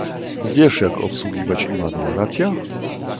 Wiesz, jak obsługiwać imadło, racja?